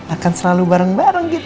akan selalu bareng bareng gitu